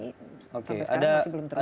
sampai sekarang masih belum terjadi